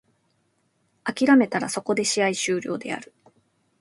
諦めたらそこで試合終了である。